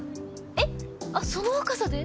えっ？あっその若さで？